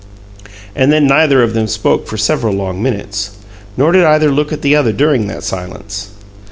And then neither of them spoke for several long minutes. Nor did either look at the other during that silence.